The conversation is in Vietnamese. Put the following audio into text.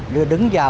đưa đứng ra